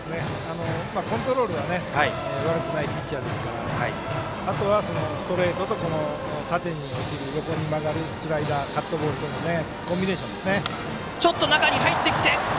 コントロールは悪くないピッチャーですからあとはストレートと縦に落ちる横に曲がるスライダーカットボールとのコンビネーションですね。